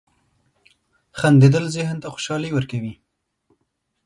• خندېدل ذهن ته خوشحالي ورکوي.